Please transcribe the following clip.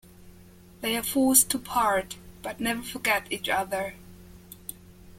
They are forced to part, but never forget each other.